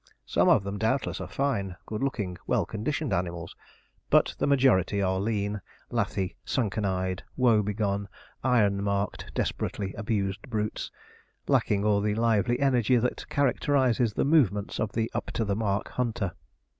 Some of them, doubtless, are fine, good looking, well conditioned animals; but the majority are lean, lathy, sunken eyed, woe begone, iron marked, desperately abused brutes, lacking all the lively energy that characterizes the movements of the up to the mark hunter.